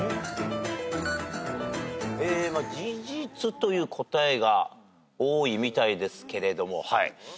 「じじつ」という答えが多いみたいですけれども。